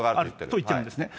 あると言ってるんですね。